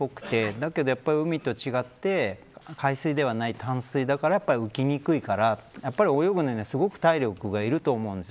だけど、海と違って海水ではない淡水だから浮きにくいからやっぱり泳ぐにはすごく体力がいると思うんです。